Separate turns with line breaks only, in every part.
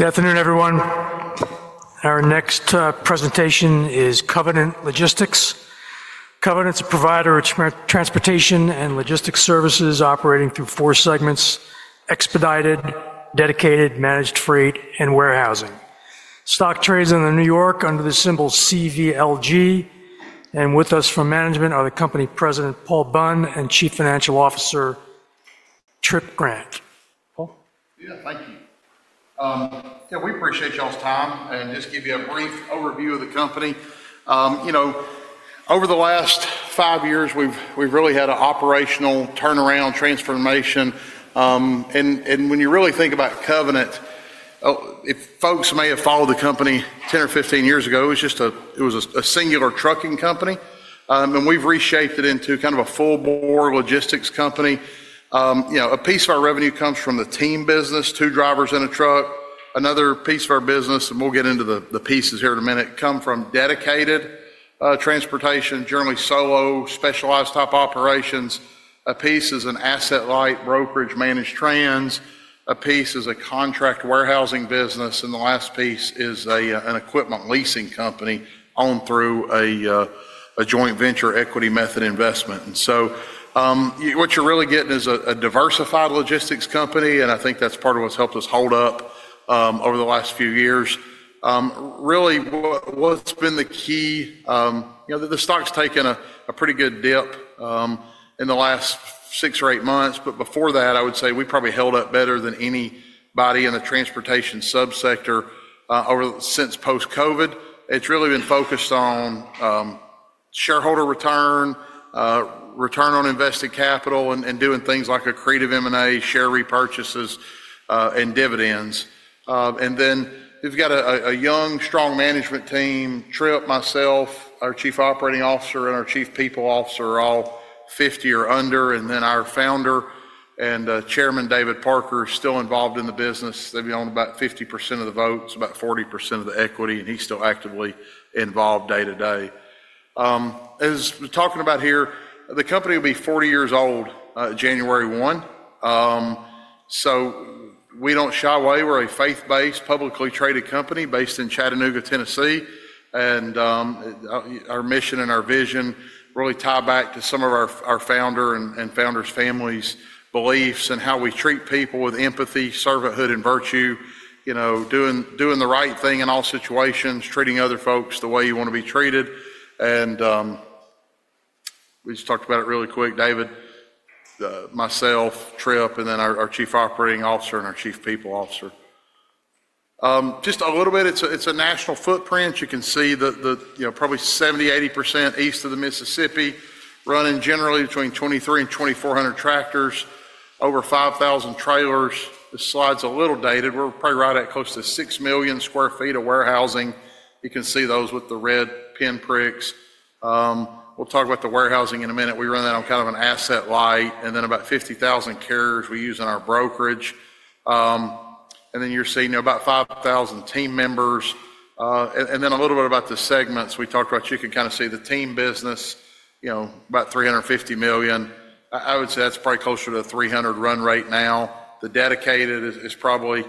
Good afternoon, everyone. Our next presentation is Covenant Logistics. Covenant's a provider of Transportation and Logistics services operating through four segments: Expedited, Dedicated, Managed Freight, and Warehousing. Stock trades in New York under the symbol CVLG. With us from management are the company President, Paul Bunn, and Chief Financial Officer, Tripp Grant. Paul?
Yeah, thank you. Yeah, we appreciate y'all's time. Just give you a brief overview of the company. You know, over the last five years, we've really had an operational turnaround transformation. When you really think about Covenant, if folks may have followed the company 10 or 15 years ago, it was just a Singular Trucking company. We've reshaped it into kind of a Full-board Logistics company. You know, a piece of our revenue comes from the team business: two drivers in a truck. Another piece of our business, and we'll get into the pieces here in a minute, comes from dedicated transportation, generally solo, specialized type operations. A piece is an Asset-light Brokerage managed trans. A piece is a Contract Warehousing business. The last piece is an equipment Leasing company owned through a Joint Venture Equity Method Investment. What you're really getting is a Diversified Logistics company. I think that's part of what's helped us hold up over the last few years. Really, what's been the key? You know, the stock's taken a pretty good dip in the last six or eight months. Before that, I would say we probably held up better than anybody in the Transportation Subsector since Post-COVID. It's really been focused on shareholder return, return on invested capital, and doing things like accretive M&A, share repurchases, and dividends. We've got a young, strong management team: Tripp, myself, our Chief Operating Officer, and our Chief People Officer are all 50 or under. Our Founder and Chairman, David Parker, is still involved in the business. They've owned about 50% of the votes, about 40% of the equity. He's still actively involved day to day. As we're talking about here, the company will be 40 years old January 1. We don't shy away. We're a faith-based, publicly traded company based in Chattanooga, Tennessee. Our mission and our vision really tie back to some of our founder and founders' families' beliefs and how we treat people with empathy, servanthood, and virtue. You know, doing the right thing in all situations, treating other folks the way you want to be treated. We just talked about it really quick, David, myself, Tripp, and then our Chief Operating Officer and our Chief People Officer. Just a little bit, it's a national footprint. You can see that probably 70-80% east of the Mississippi, running generally between 2,300 and 2,400 tractors, over 5,000 trailers. The slide's a little dated. We're probably right at close to 6 million sq ft of warehousing. You can see those with the Red Pinpricks. We'll talk about the warehousing in a minute. We run that on kind of an Asset-light. And then about 50,000 carriers we use in our brokerage. And then you're seeing about 5,000 team members. And then a little bit about the segments. We talked about you can kind of see the team business, you know, about $350 million. I would say that's probably closer to $300 million Run Rate now. The dedicated is probably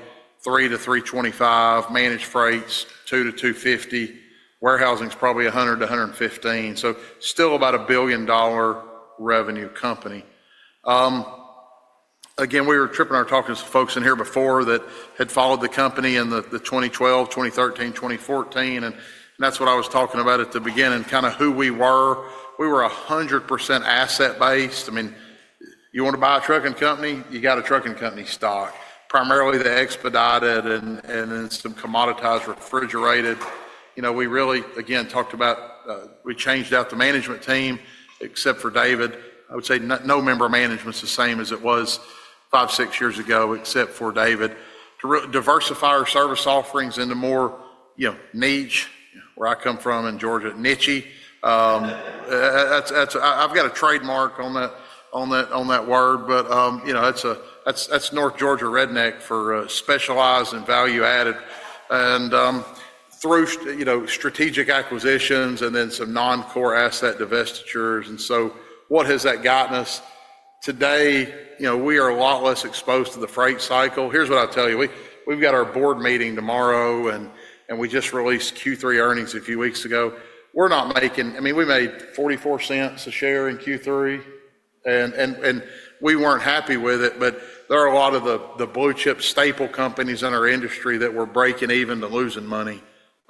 $300-$325 million, managed freight's $200-$250 million. Warehousing's probably $100-$115 million. Still about a billion-dollar revenue company. Again, we were tripping or talking to some folks in here before that had followed the company in 2012, 2013, 2014. That is what I was talking about at the beginning, kind of who we were. We were 100% asset-based. I mean, you want to buy a Trucking company, you got a Trucking company Stock, primarily the expedited and then some Commoditized Refrigerated. You know, we really, again, talked about we changed out the management team, except for David. I would say no member of management's the same as it was five, six years ago, except for David. To diversify our service offerings into more niche, where I come from in Georgia, nichy. I've got a trademark on that word, but you know, that's North Georgia Redneck for specialized and value-added. And through strategic acquisitions and then some Non-core Asset Divestitures. And so what has that gotten us? Today, you know, we are a lot less exposed to the Freight Cycle. Here's what I'll tell you. We've got our board meeting tomorrow. And we just released Q3 earnings a few weeks ago. We're not making, I mean, we made $0.44 a share in Q3. And we weren't happy with it. But there are a lot of the Blue Chip staple companies in our industry that were breaking even to losing money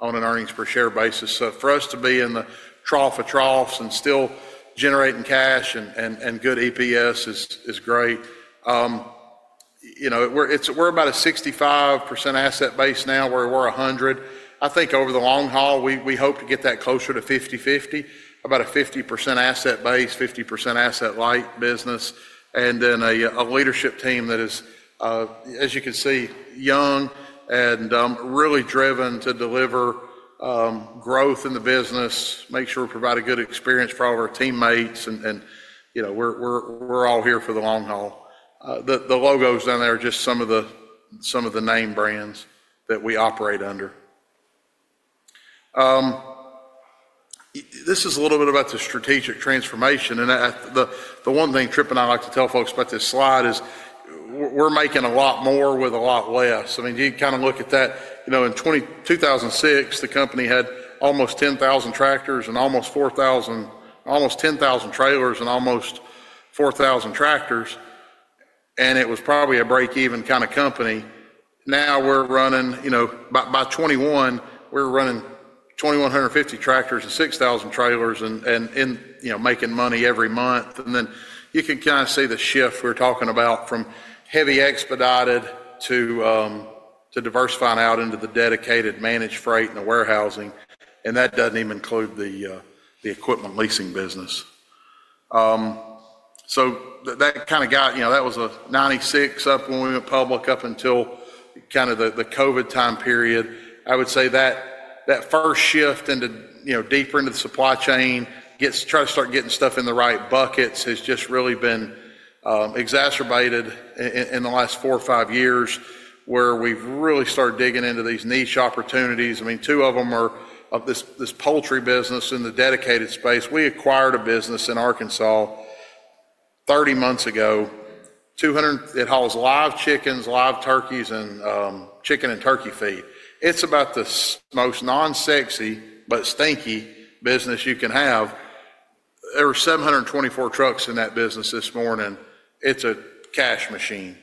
on an Earnings Per Share basis. So for us to be in the trough of troughs and still generating cash and good EPS is great. You know, we're about a 65% asset base now where we're 100. I think over the long haul, we hope to get that closer to 50-50, about a 50% asset base, 50% asset light business. And then a leadership team that is, as you can see, young and really driven to deliver growth in the business, make sure we provide a good experience for all of our teammates. And you know, we're all here for the long haul. The logos down there are just some of the name brands that we operate under. This is a little bit about the strategic transformation. The one thing Tripp and I like to tell folks about this slide is we're making a lot more with a lot less. I mean, you kind of look at that. You know, in 2006, the company had almost 10,000 trailers and almost 4,000 tractors. It was probably a break-even kind of company. Now we're running, you know, by 2021, we're running 2,150 tractors and 6,000 trailers and making money every month. You can kind of see the shift we're talking about from heavy expedited to diversifying out into the dedicated, managed freight, and the warehousing. That does not even include the equipment leasing business. That kind of got, you know, that was 1996 up when we went public up until kind of the COVID time period. I would say that that 1st shift into, you know, deeper into the supply chain, trying to start getting stuff in the right buckets has just really been exacerbated in the last four or five years where we've really started digging into these niche opportunities. I mean, two of them are this Poultry business in the dedicated space. We acquired a business in Arkansas 30 months ago. It hauls Live chickens, Live turkeys, and chicken and turkey feed. It's about the most non-sexy but stinky business you can have. There were 724 trucks in that business this morning. It's a Cash Machine.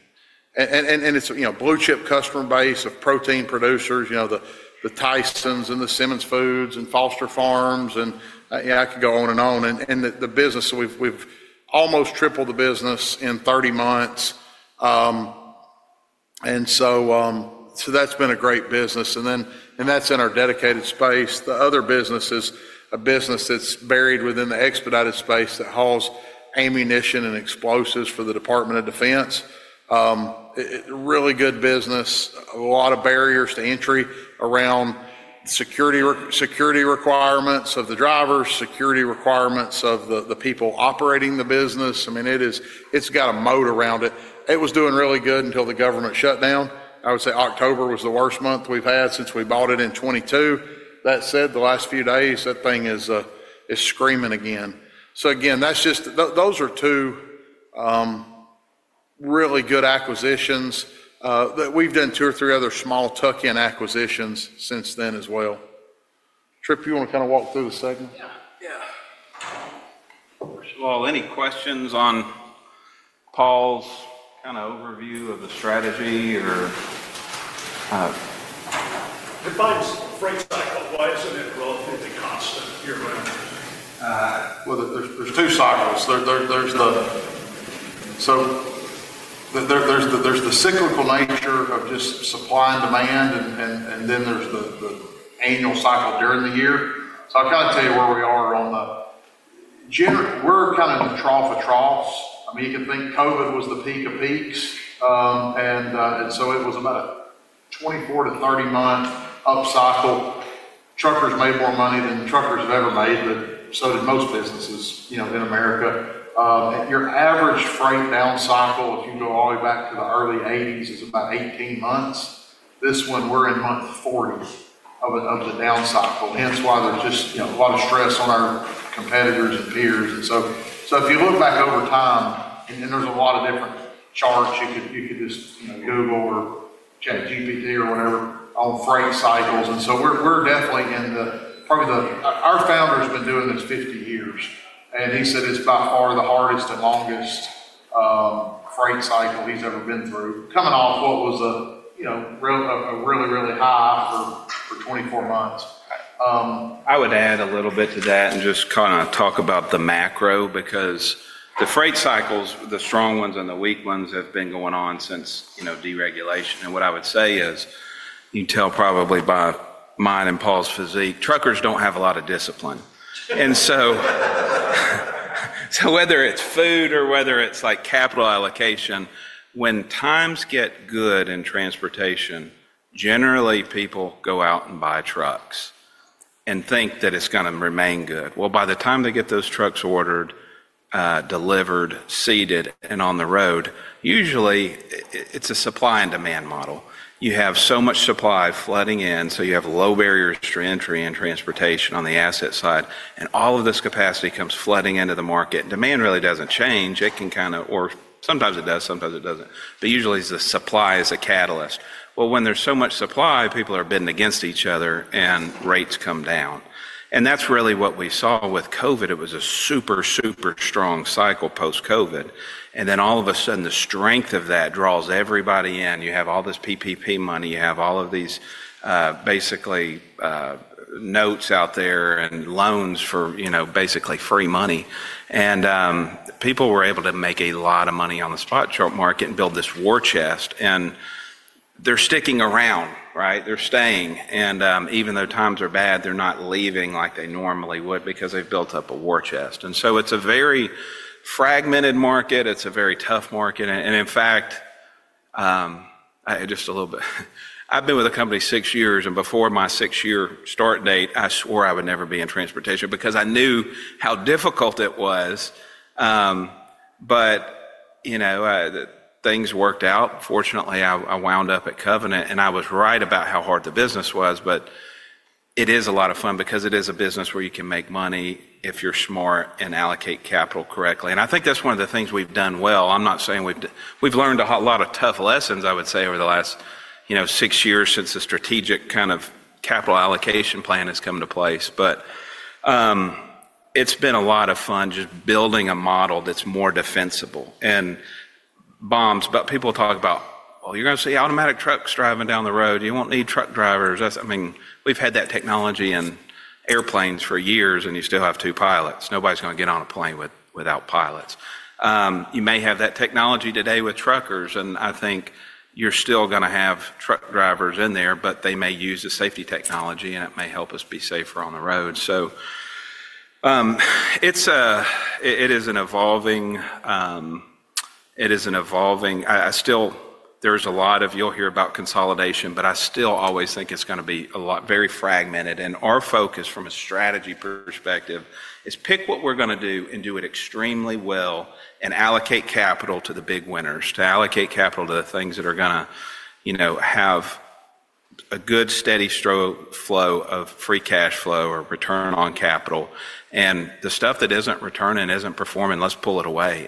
And it's a Blue Chip customer base of protein producers, you know, the Tysons and the Simmons Foods and Foster Farms. I could go on and on. The business, we've almost tripled the business in 30 months. That has been a great business, and that's in our dedicated space. The other business is a business that's buried within the expedited space that hauls Ammunition and Explosives for the Department of Defense. Really good business. A lot of barriers to entry around security requirements of the drivers, security requirements of the people operating the business. I mean, it's got a moat around it. It was doing really good until the government shut down. I would say October was the worst month we've had since we bought it in 2022. That said, the last few days, that thing is screaming again. Those are two really good acquisitions. We've done two or three other small tuck-in acquisitions since then as well. Tripp, you want to kind of walk through the segment?
Yeah. Yeah. First of all, any questions on Paul's kind of overview of the strategy or?
If I'm Freight Cycle, why isn't it relatively constant year-round?
There are two cycles. There is the cyclical nature of just supply and demand, and then there is the annual cycle during the year. I'll kind of tell you where we are on the general. We are kind of in the trough of troughs. I mean, you can think COVID was the peak of peaks. It was about a 24-30-month up cycle. Truckers made more money than truckers have ever made, but so did most businesses, you know, in America. Your Average Freight Down Cycle, if you go all the way back to the early 1980s, is about 18 months. This one, we are in month 40 of the down cycle. Hence why there is just a lot of stress on our competitors and peers. If you look back over time, and there's a lot of different charts, you could just Google or ChatGPT or whatever on Freight Cycles. We're definitely in the, probably the, our founder's been doing this 50 years. He said it's by far the hardest and longest freight cycle he's ever been through, coming off what was a really, really high for 24 months.
I would add a little bit to that and just kind of talk about the macro because the Freight Cycles, the strong ones and the weak ones, have been going on since, you know, deregulation. What I would say is you can tell probably by mine and Paul's physique, truckers don't have a lot of discipline. Whether it's food or whether it's like Capital Allocation, when times get good in transportation, generally people go out and buy trucks and think that it's going to remain good. By the time they get those trucks ordered, delivered, seated, and on the road, usually it's a Supply and Demand Model. You have so much supply flooding in. You have low barriers to entry in transportation on the asset side. All of this capacity comes flooding into the market. Demand really doesn't change. It can kind of, or sometimes it does, sometimes it does not. Usually the supply is a catalyst. When there is so much supply, people are bidding against each other and rates come down. That is really what we saw with COVID. It was a super, super strong cycle post-COVID. All of a sudden, the strength of that draws everybody in. You have all this PPP money. You have all of these basically notes out there and loans for, you know, basically free money. People were able to make a lot of money on the Spot Chart Market and build this War Chest. They are sticking around, right? They are staying. Even though times are bad, they are not leaving like they normally would because they have built up a War Chest. It is a very fragmented market. It is a very tough market. In fact, just a little bit, I've been with the company six years. Before my six-year start date, I swore I would never be in transportation because I knew how difficult it was. You know, things worked out. Fortunately, I wound up at Covenant. I was right about how hard the business was. It is a lot of fun because it is a business where you can make money if you're smart and allocate capital correctly. I think that's one of the things we've done well. I'm not saying we've learned a lot of tough lessons, I would say, over the last, you know, six years since the strategic kind of capital allocation plan has come into place. It's been a lot of fun just building a model that's more defensible. People talk about, well, you're going to see automatic trucks driving down the road. You won't need truck drivers. I mean, we've had that technology in airplanes for years, and you still have two pilots. Nobody's going to get on a plane without pilots. You may have that technology today with truckers. I think you're still going to have truck drivers in there, but they may use the safety technology, and it may help us be safer on the road. It is an evolving, it is an evolving, I still, there's a lot of, you'll hear about consolidation, but I still always think it's going to be a lot very fragmented. Our focus from a strategy perspective is pick what we're going to do and do it extremely well and allocate capital to the big winners, to allocate capital to the things that are going to, you know, have a good steady flow of Free Cash Flow or Return on Capital. The stuff that isn't returning and isn't performing, let's pull it away.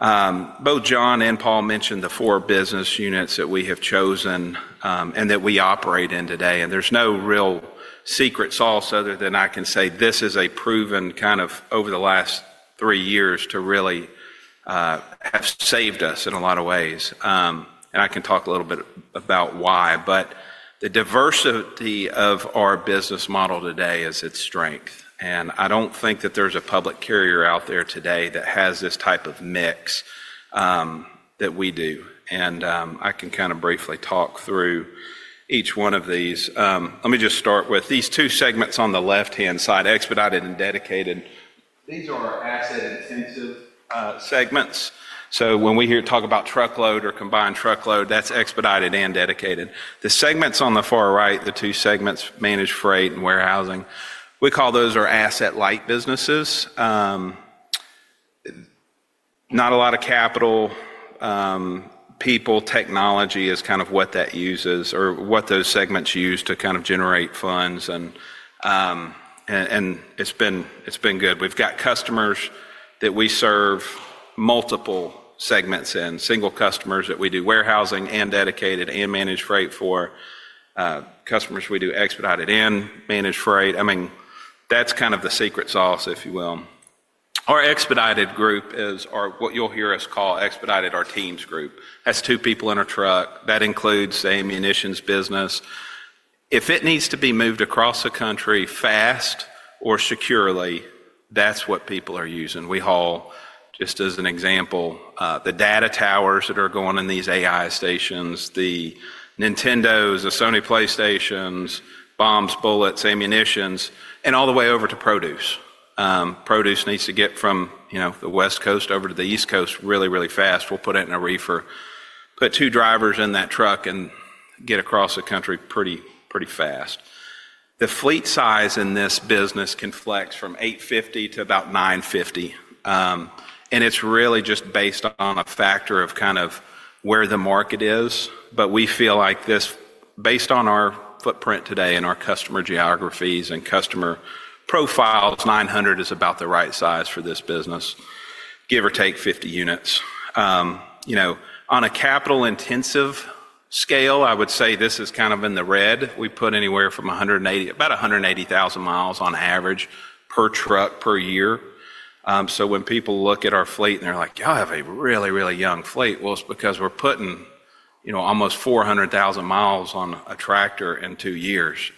Both John and Paul mentioned the four business units that we have chosen and that we operate in today. There is no real secret sauce other than I can say this has proven kind of over the last three years to really have saved us in a lot of ways. I can talk a little bit about why, but the diversity of our business model today is its strength. I don't think that there's a public carrier out there today that has this type of mix that we do. I can kind of briefly talk through each one of these. Let me just start with these two segments on the left-hand side, expedited and dedicated. These are our asset-intensive segments. When we hear talk about truckload or combined truckload, that's expedited and dedicated. The segments on the far right, the two segments, managed freight and warehousing, we call those our asset-light businesses. Not a lot of capital. People, technology is kind of what that uses or what those segments use to kind of generate funds. It's been good. We've got customers that we serve multiple segments in, single customers that we do warehousing and dedicated and managed freight for, customers we do expedited and managed freight. I mean, that's kind of the secret sauce, if you will. Our expedited group is what you'll hear us call expedited, our teams group. That's two people in a truck. That includes the Ammunitions business. If it needs to be moved across the country fast or securely, that's what people are using. We haul, just as an example, the data towers that are going in these AI stations, the Nintendos, the Sony PlayStations, bombs, bullets, ammunitions, and all the way over to produce. Produce needs to get from, you know, the West Coast over to the East Coast really, really fast. We'll put it in a reefer, put two drivers in that truck and get across the country pretty fast. The fleet size in this business can flex from 850-950. And it's really just based on a factor of kind of where the market is. We feel like this, based on our footprint today and our customer geographies and customer profiles, 900 is about the right size for this business, give or take 50 units. You know, on a capital-intensive scale, I would say this is kind of in the red. We put anywhere from about 180,000 mi on average per truck per year. When people look at our fleet and they're like, "Y'all have a really, really young fleet," it's because we're putting, you know, almost 400,000 mi on a tractor in two years.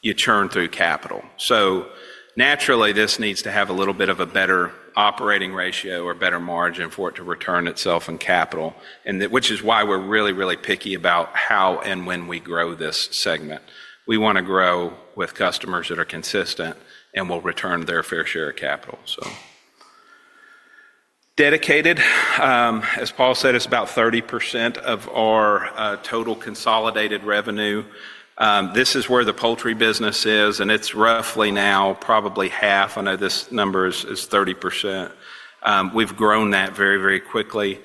You churn through capital. Naturally, this needs to have a little bit of a better Operating Ratio or better margin for it to return itself in capital, which is why we're really, really picky about how and when we grow this segment. We want to grow with customers that are consistent and will return their fair share of capital. Dedicated, as Paul said, it's about 30% of our total consolidated revenue. This is where the Poultry business is, and it's roughly now probably half. I know this number is 30%. We've grown that very, very quickly.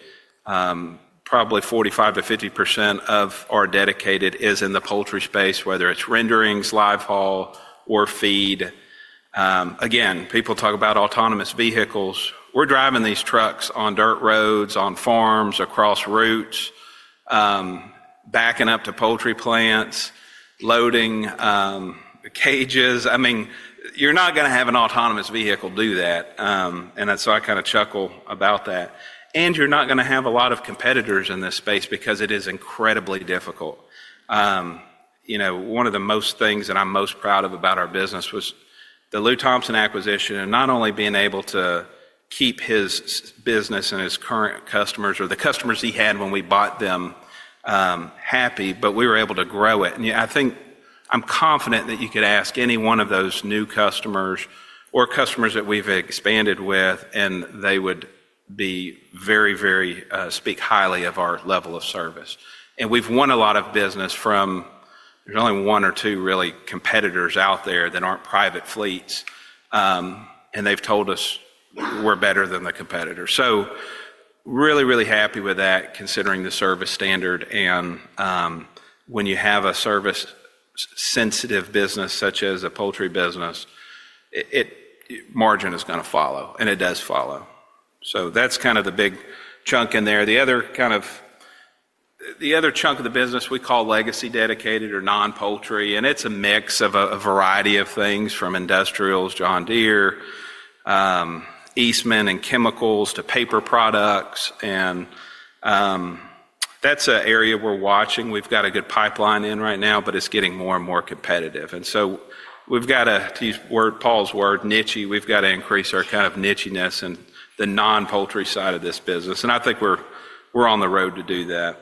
Probably 45%-50% of our dedicated is in the Poultry Space, whether it's renderings, live haul, or feed. Again, people talk about autonomous vehicles. We're driving these trucks on dirt roads, on farms, across routes, backing up to poultry plants, loading cages. I mean, you're not going to have an autonomous vehicle do that. I kind of chuckle about that. You're not going to have a lot of competitors in this space because it is incredibly difficult. You know, one of the things that I'm most proud of about our business was the Lew Thompson Acquisition and not only being able to keep his business and his current customers or the customers he had when we bought them happy, but we were able to grow it. I think I'm confident that you could ask any one of those new customers or customers that we've expanded with, and they would be very, very speak highly of our level of service. We've won a lot of business from there's only one or two really competitors out there that aren't private fleets. They've told us we're better than the competitor. Really, really happy with that, considering the service standard. When you have a service-sensitive business such as a Poultry business, margin is going to follow, and it does follow. That's kind of the big chunk in there. The other chunk of the business we call legacy dedicated or non-poultry. It's a mix of a variety of things from industrials, John Deere, Eastman and chemicals to paper products. That's an area we're watching. We've got a good pipeline in right now, but it's getting more and more competitive. We've got to, to use Paul's word, nichy, we've got to increase our kind of nichiness in the non-poultry side of this business. I think we're on the road to do that.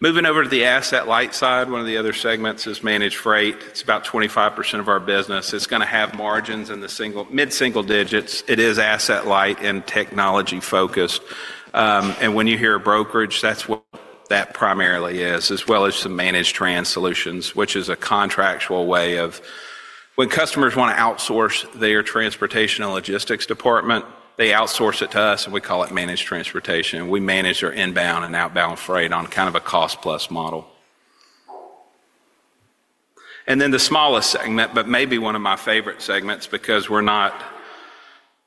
Moving over to the asset-light side, one of the other segments is managed freight. It's about 25% of our business. It's going to have margins in the mid-single digits. It is asset-light and technology-focused. When you hear brokerage, that's what that primarily is, as well as some managed trans solutions, which is a contractual way of when customers want to outsource their transportation and logistics department, they outsource it to us, and we call it managed transportation. We manage their Inbound and Outbound freight on kind of a cost-plus model. The smallest segment, but maybe one of my favorite segments because we're not,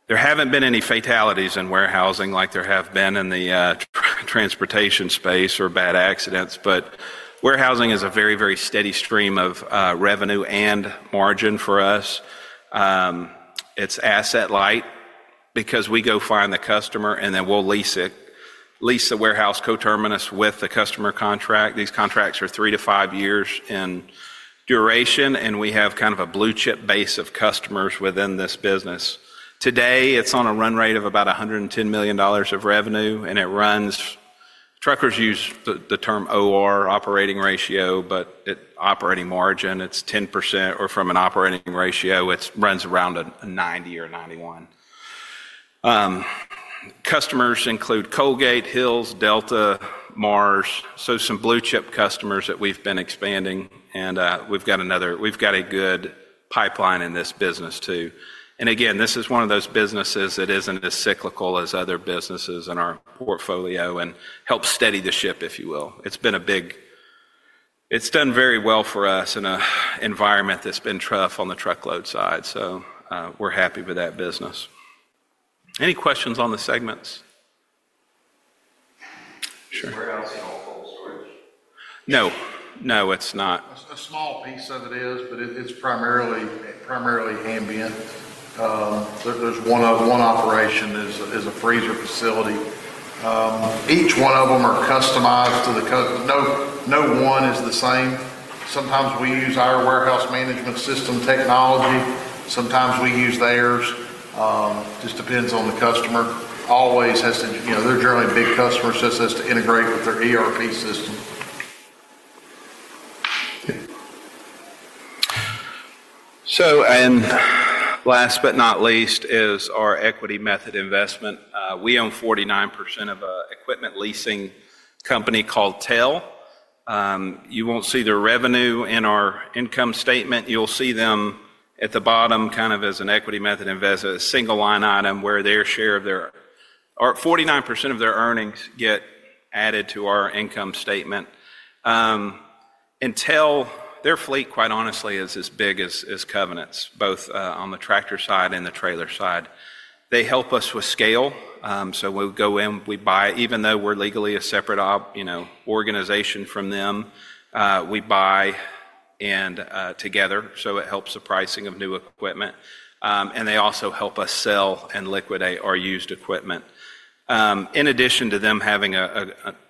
there haven't been any fatalities in warehousing like there have been in the transportation space or bad accidents. Warehousing is a very, very steady stream of revenue and margin for us. It's asset-light because we go find the customer and then we'll lease it, lease the warehouse co-terminus with the customer contract. These contracts are three to five years in duration. We have kind of a Blue Chip base of customers within this business. Today, it's on a run rate of about $110 million of revenue. It runs, truckers use the term OR, Operating Ratio, but Operating Margin, it's 10% or from an Operating Ratio, it runs around a 90 or 91. Customers include Colgate, Hill's, Delta, Mars. Some Blue Chip customers that we've been expanding. We've got another, we've got a good pipeline in this business too. This is one of those businesses that isn't as cyclical as other businesses in our portfolio and helps steady the ship, if you will. It's been a big, it's done very well for us in an environment that's been tough on the truckload side. We're happy with that business.
Any questions on the segments?
Sure. Warehouse and Off-load storage?
No, no, it's not. A small piece of it is, but it's primarily ambient. There's one operation is a Freezer Facility. Each one of them are customized to the, no one is the same. Sometimes we use our Warehouse Management System Technology. Sometimes we use theirs. Just depends on the customer. Always has to, you know, they're generally big customers, just has to integrate with their ERP system.
Last but not least is our Equity Method Investment. We own 49% of an equipment Leasing company called Tell. You won't see their revenue in our income statement. You'll see them at the bottom kind of as an Equity Method Investment, a single line item where their share of their, or 49% of their earnings get added to our income statement. Tell, their fleet, quite honestly, is as big as Covenant's, both on the tractor side and the trailer side. They help us with scale. We go in, we buy, even though we're legally a separate, you know, organization from them, we buy and together. It helps the pricing of new equipment. They also help us sell and liquidate our used equipment. In addition to them having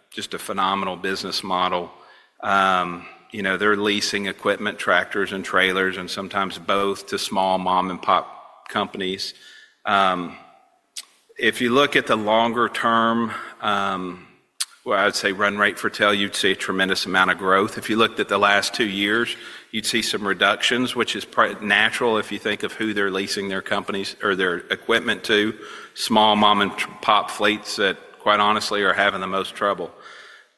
just a Phenomenal Business Model, you know, they're leasing equipment, tractors and trailers, and sometimes both to Small Mom-and-pop companies. If you look at the longer term, I'd say run rate for Tell, you'd see a tremendous amount of growth. If you looked at the last two years, you'd see some reductions, which is quite natural if you think of who they're leasing their companies or their equipment to, Small Mom-and-pop fleets that quite honestly are having the most trouble.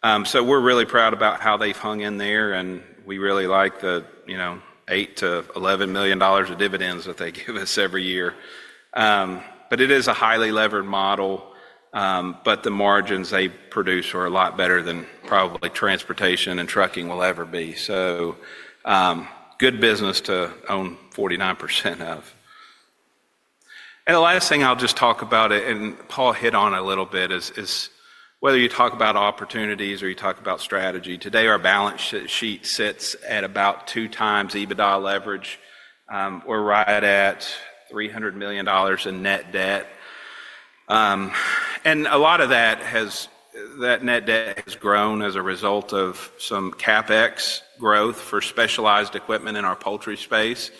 We're really proud about how they've hung in there. We really like the, you know, $8-$11 million of dividends that they give us every year. It is a highly levered model. The margins they produce are a lot better than probably transportation and trucking will ever be. Good business to own 49% of. The last thing I'll just talk about, and Paul hit on a little bit, is whether you talk about opportunities or you talk about strategy. Today, our Balance Sheet sits at about two times EBITDA leverage. We're right at $300 million in net debt. A lot of that net debt has grown as a result of some CapEx growth for specialized equipment in our Poultry Space.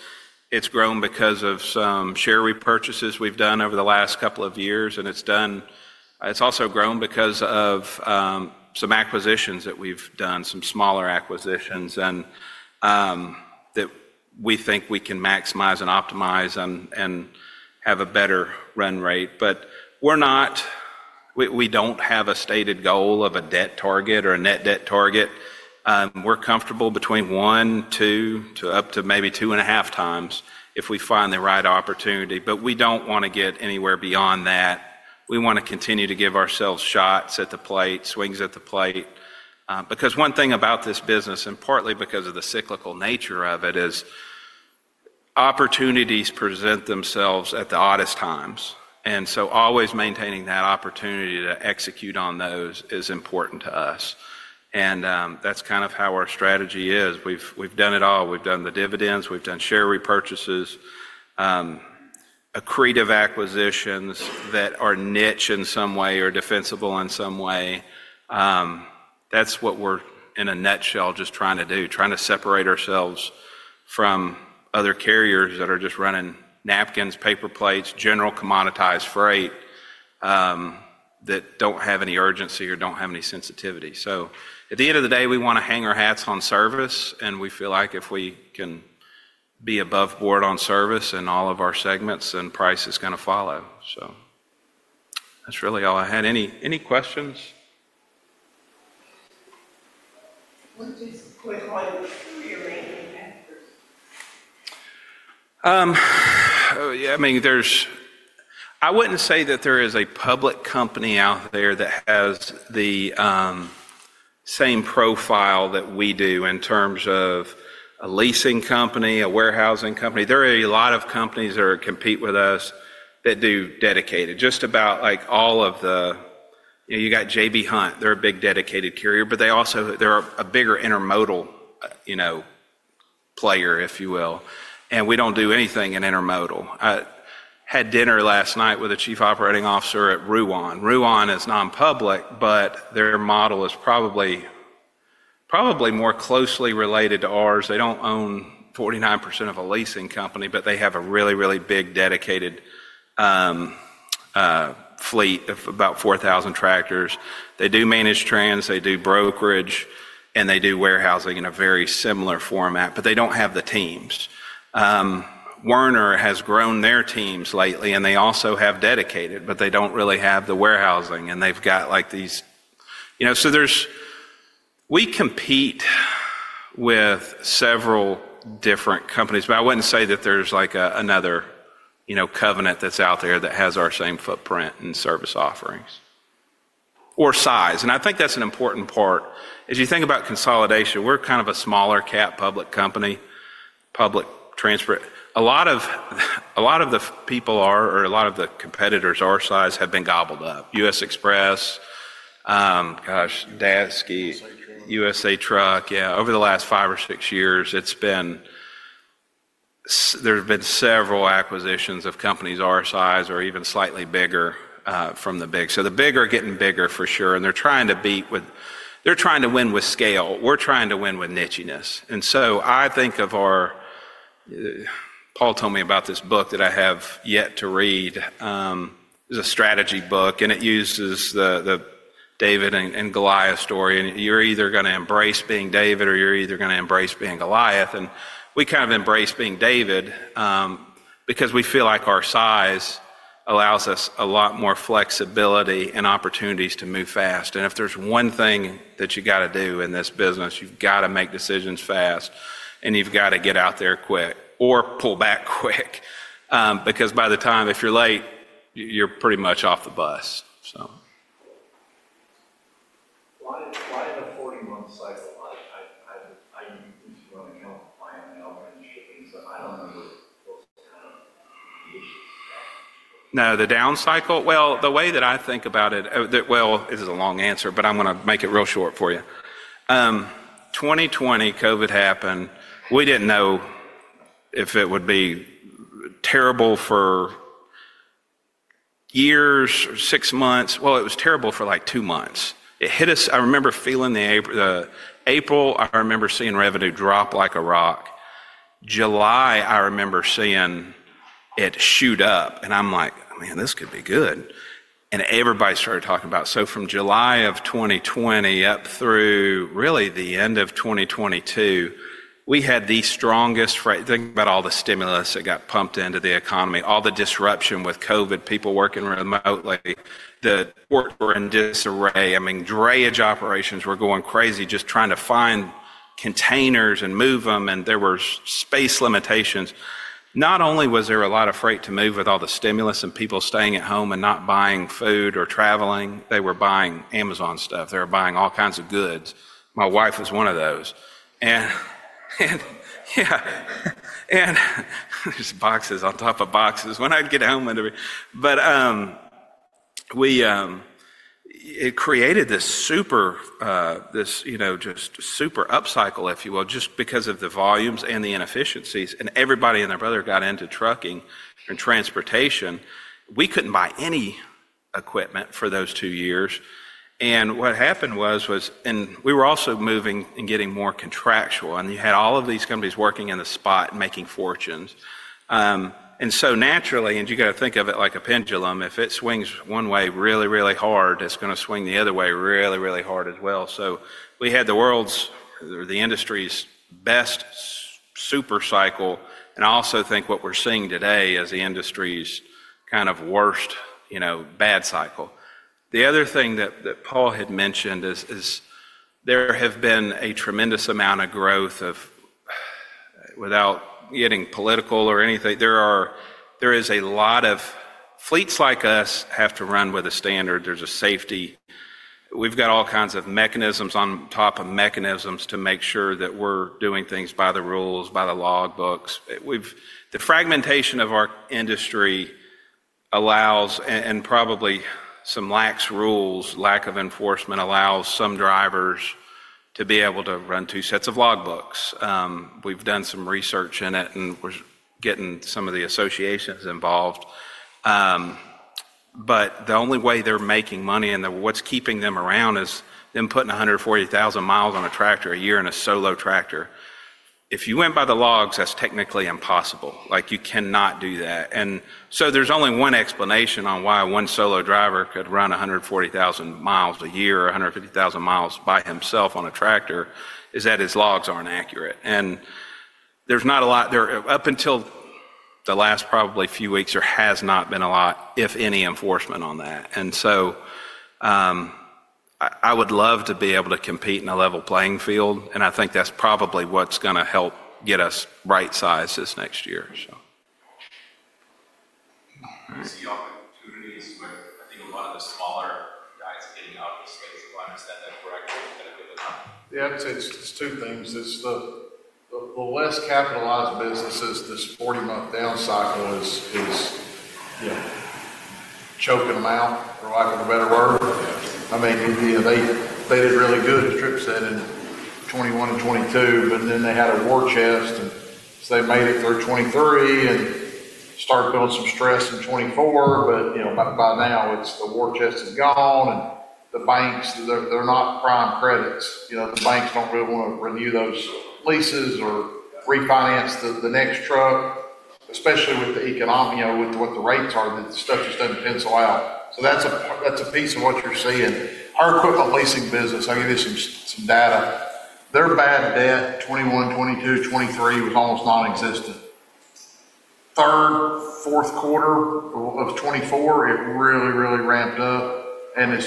It's grown because of some share repurchases we've done over the last couple of years. It's done, it's also grown because of some acquisitions that we've done, some smaller acquisitions that we think we can maximize and optimize and have a better run rate. We're not, we don't have a stated goal of a debt target or a net debt target. We're comfortable between one, two, to up to maybe 2.5 times if we find the right opportunity. We don't want to get anywhere beyond that. We want to continue to give ourselves shots at the plate, swings at the plate. One thing about this business, and partly because of the cyclical nature of it, is opportunities present themselves at the oddest times. Always maintaining that opportunity to execute on those is important to us. That's kind of how our strategy is. We've done it all. We've done the dividends. We've done share repurchases, accretive acquisitions that are niche in some way or defensible in some way. That's what we're in a nutshell just trying to do, trying to separate ourselves from other carriers that are just running napkins, paper plates, general commoditized freight that don't have any urgency or don't have any sensitivity. At the end of the day, we want to hang our hats on service. We feel like if we can be above board on service in all of our segments, then price is going to follow. That's really all I had. Any questions?
Just a quick one, who are your main competitors?
Oh, yeah, I mean, there's, I wouldn't say that there is a public company out there that has the same profile that we do in terms of a Leasing company, a Warehousing company. There are a lot of companies that compete with us that do dedicated. Just about like all of the, you know, you got J.B. Hunt. They're a big dedicated carrier, but they also, they're a bigger intermodal, you know, player, if you will. We don't do anything in intermodal. I had dinner last night with the Chief Operating Officer at Ruan. Ruan is non-public, but their model is probably, probably more closely related to ours. They don't own 49% of a Leasing company, but they have a really, really big dedicated fleet of about 4,000 tractors. They do managed freight. They do brokerage, and they do warehousing in a very similar format, but they don't have the teams. Werner has grown their teams lately, and they also have dedicated, but they don't really have the warehousing. They've got like these, you know, so there's, we compete with several different companies, but I wouldn't say that there's like another, you know, Covenant that's out there that has our same footprint and service offerings or size. I think that's an important part. As you think about consolidation, we're kind of a smaller cap public company, public transport. A lot of the people are, or a lot of the competitors our size have been gobbled up. U.S. Xpress, gosh, Daseke, USA Truck, yeah. Over the last five or six years, there have been several acquisitions of companies our size or even slightly bigger from the big. The big are getting bigger for sure. They're trying to win with scale. We're trying to win with nichiness. I think of our, Paul told me about this book that I have yet to read. It's a Strategy Book, and it uses the David and Goliath story. You're either going to embrace being David or you're either going to embrace being Goliath. We kind of embrace being David because we feel like our size allows us a lot more flexibility and opportunities to move fast. If there's one thing that you got to do in this business, you've got to make decisions fast, and you've got to get out there quick or pull back quick. Because by the time, if you're late, you're pretty much off the bus.
Why did the 40-month cycle? I used to run account with client and now I'm in the shipping, so I don't remember those kind of issues.
No, the down cycle, the way that I think about it, this is a long answer, but I'm going to make it real short for you. 2020, COVID happened. We didn't know if it would be terrible for years or six months. It was terrible for like two months. It hit us, I remember feeling the April, I remember seeing revenue drop like a rock. July, I remember seeing it shoot up. I'm like, man, this could be good. Everybody started talking about it. From July of 2020 up through really the end of 2022, we had the strongest freight. Think about all the stimulus that got pumped into the economy, all the disruption with COVID, people working remotely, the ports were in disarray. I mean, Drayage Operations were going crazy just trying to find containers and move them. There were space limitations. Not only was there a lot of freight to move with all the stimulus and people staying at home and not buying food or traveling, they were buying Amazon stuff. They were buying all kinds of goods. My wife was one of those. Yeah, and there are boxes on top of boxes when I'd get home and everything. It created this super, this, you know, just super upcycle, if you will, just because of the volumes and the inefficiencies. Everybody and their brother got into trucking and transportation. We couldn't buy any equipment for those two years. What happened was, we were also moving and getting more contractual. You had all of these companies working in the spot and making fortunes. Naturally, you got to think of it like a pendulum. If it swings one way really, really hard, it's going to swing the other way really, really hard as well. We had the world's or the industry's best Super Cycle. I also think what we're seeing today is the industry's kind of worst, you know, bad cycle. The other thing that Paul had mentioned is there have been a tremendous amount of growth of, without getting political or anything, there is a lot of fleets like us have to run with a standard. There's a safety. We've got all kinds of mechanisms on top of mechanisms to make sure that we're doing things by the rules, by the logbooks. The fragmentation of our industry allows, and probably some lax rules, lack of enforcement allows some drivers to be able to run two sets of logbooks. We've done some research in it and we're getting some of the associations involved. The only way they're making money and what's keeping them around is them putting 140,000 mi on a tractor a year in a solo tractor. If you went by the logs, that's technically impossible. Like you cannot do that. There is only one explanation on why one solo driver could run 140,000 mi a year, 150,000 mi by himself on a tractor is that his logs aren't accurate. There has not been a lot, if any, enforcement on that up until the last probably few weeks. I would love to be able to compete in a level playing field. I think that's probably what's going to help get us right size this next year.
I see opportunities, but I think a lot of the smaller guys getting out of the space. Is that correct?
Yeah, I'd say it's two things. It's the less capitalized businesses, this 40-month down cycle is choking them out, for lack of a better word. I mean, they did really good at Tripp said in 2021 and 2022, but then they had a War Chest and they made it through 2023 and started building some stress in 2024. You know, by now the War Chest is gone and the banks, they're not prime credits. You know, the banks don't really want to renew those leases or refinance the next truck, especially with the economic, you know, with what the rates are, that the stuff just doesn't pencil out. That's a piece of what you're seeing. Our equipment leasing business, I'll give you some data. Their bad debt 2021, 2022, 2023 was almost non-existent. 3rd, 4th quarter of 2024, it really, really ramped up. It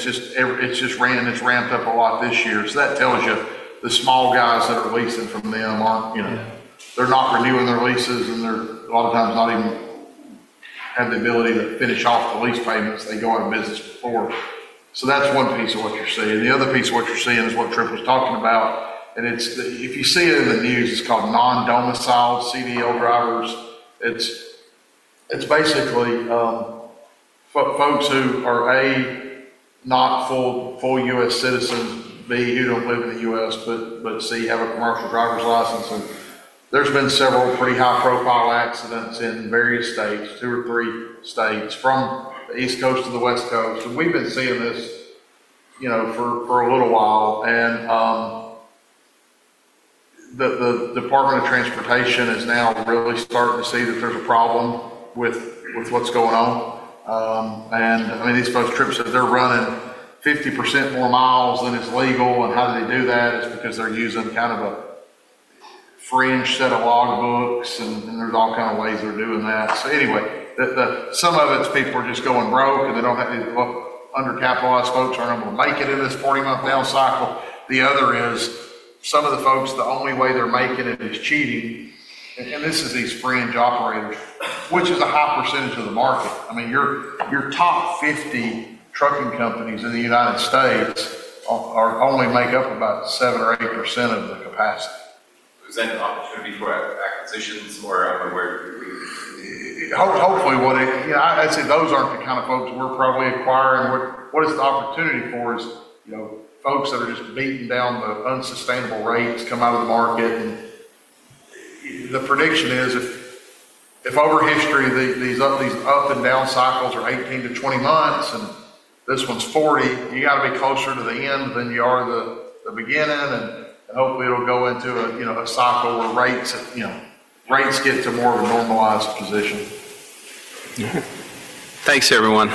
just ramped up a lot this year. That tells you the small guys that are leasing from them aren't, you know, they're not renewing their leases and they're a lot of times not even have the ability to finish off the lease payments. They go out of business before. That is one piece of what you're seeing. The other piece of what you're seeing is what Tripp was talking about. If you see it in the news, it's called non-domiciled CDL drivers. It's basically folks who are A, not full U.S. citizens, B, who don't live in the U.S., but C, have a Commercial Driver's License. There have been several pretty high-profile accidents in various states, two or three states from the East Coast to the West Coast. We've been seeing this, you know, for a little while. The Department of Transportation is now really starting to see that there's a problem with what's going on. I mean, these folks, Tripp said, they're running 50% more mi than is legal. How do they do that? It's because they're using kind of a fringe set of logbooks. There are all kinds of ways they're doing that. Anyway, some of it is people are just going broke and they don't have any undercapitalized folks who aren't able to make it in this 40-month down cycle. The other is some of the folks, the only way they're making it is cheating. These fringe operators, which is a high percentage of the market. I mean, your top 50 trucking companies in the United States only make up about 7% or 8% of the capacity.
Is that an opportunity for acquisitions or where we?
Hopefully what, you know, I'd say those aren't the kind of folks we're probably acquiring. What is the opportunity for is, you know, folks that are just beaten down by unsustainable rates come out of the market. The prediction is if over history, these up and down cycles are 18 to 20 months and this one's 40, you got to be closer to the end than you are the beginning. Hopefully it'll go into a, you know, a cycle where rates, you know, rates get to more of a normalized position. Thanks, everyone.